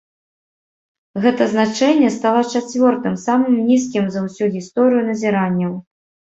Гэта значэнне стала чацвёртым самым нізкім за ўсю гісторыю назіранняў.